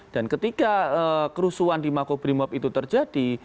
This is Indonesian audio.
dan ketika kerusuhan di makobrimob itu terjadi